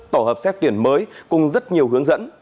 tổ hợp xét tuyển mới cùng rất nhiều hướng dẫn